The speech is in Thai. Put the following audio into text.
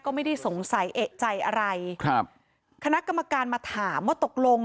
ก็ไม่ได้สงสัยเอกใจอะไรครับคณะกรรมการมาถามว่าตกลง